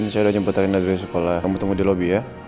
din saya udah jemput arina dari sekolah kamu tunggu di lobby ya